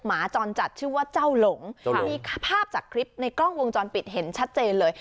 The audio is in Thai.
หมาจรจัดชื่อว่าเจ้าหลงมีภาพจากคลิปในกล้องวงจรปิดเห็นชัดเจนเลย